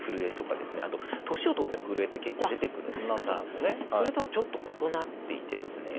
あと年を取ってもふるえって結構出てくるんですがそれとはちょっと異なっていてですね